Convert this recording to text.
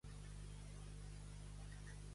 A Tírig, raboses i rabosetes.